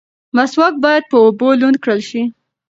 مسواک باید په اوبو لوند کړل شي.